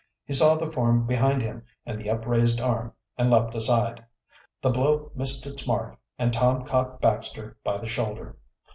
He saw the form behind him and the upraised arm and leaped aside. The blow missed its mark and Tom caught Baxter by the shoulder.